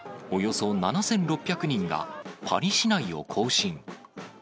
およそ７６００人が、パリ市内を行進。